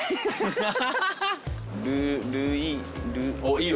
いいよ！